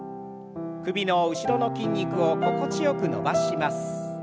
首の後ろの筋肉を心地よく伸ばします。